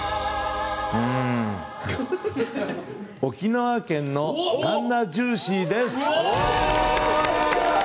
沖縄県のタンナージューシーです。